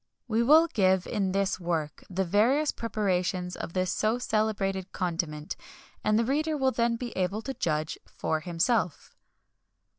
We will give, in this work, the various preparations of this so celebrated condiment, and the reader will then be able to judge for himself.